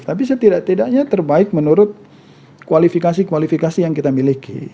tapi setidak tidaknya terbaik menurut kualifikasi kualifikasi yang kita miliki